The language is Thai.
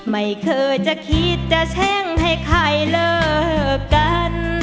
ไม่เคยจะคิดจะแช่งให้ใครเลิกกัน